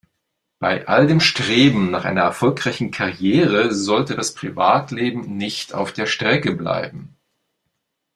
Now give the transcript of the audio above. Bei all dem Streben nach einer erfolgreichen Karriere sollte das Privatleben nicht auf der Strecke bleiben.